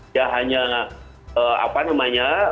dia hanya apa namanya